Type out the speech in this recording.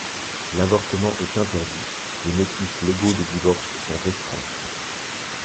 L'avortement est interdit, les motifs légaux de divorce sont restreints.